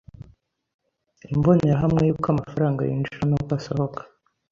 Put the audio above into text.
imbonerahamwe y’uko amafaranga yinjira n’uko asohoka